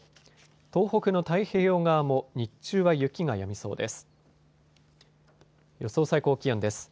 東北の太平洋側も日中は雪がやみそうです。